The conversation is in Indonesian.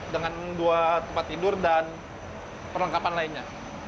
dengan dua tempat tidur dan perlengkapan lainnya